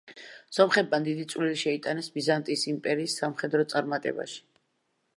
სომხებმა დიდი წვლილი შეიტანეს ბიზანტიის იმპერიის სამხედრო წარმატებაში.